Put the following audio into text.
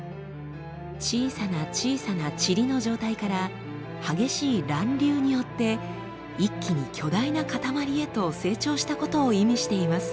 小さな小さなチリの状態から激しい乱流によって一気に巨大なかたまりへと成長したことを意味しています。